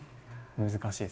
難しいですけど。